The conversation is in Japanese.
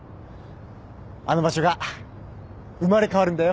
あの場所が生まれ変わるんだよ。